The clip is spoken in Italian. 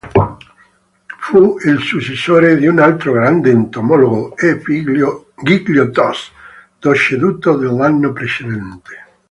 Fu il successore di un altro grande entomologo, E. Giglio-Tos, deceduto nell'anno precedente.